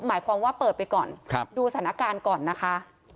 หมายความว่าเปิดไปก่อนดูสถานการณ์ก่อนนะคะ